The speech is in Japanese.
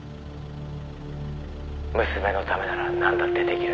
「娘のためならなんだって出来る。